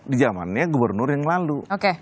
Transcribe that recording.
di zamannya gubernur yang lalu